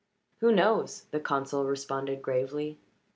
"Who knows?" the consul responded gravely.